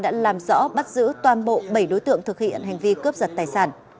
đã làm rõ bắt giữ toàn bộ bảy đối tượng thực hiện hành vi cướp giật tài sản